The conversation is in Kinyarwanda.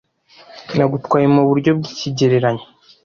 nagutwaye mu buryo bw'ikigereranyo